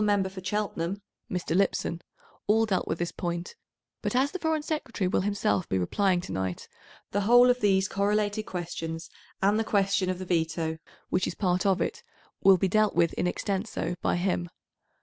Member for Cheltenham (Mr. Lipson) all dealt with this point, but as the Foreign Secretary will himself be replying to night, the whole of these correlated questions and the question of the veto, which is part of it, will be dealt with in extenso by him.